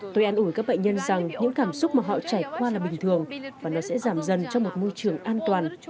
tôi an ủi các bệnh nhân rằng những cảm xúc mà họ trải qua là bình thường và nó sẽ giảm dần cho một môi trường an toàn